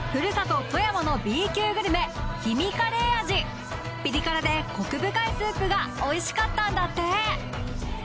ふるさとピリ辛でコク深いスープがおいしかったんだって。